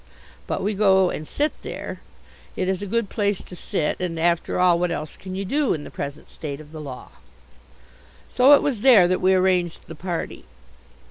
But we go and sit there. It is a good place to sit, and, after all, what else can you do in the present state of the law? So it was there that we arranged the party.